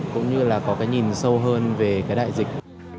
cũng như là có nhìn sâu hơn về đại dịch